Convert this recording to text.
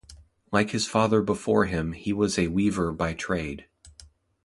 Like his father before him he was a weaver by trade.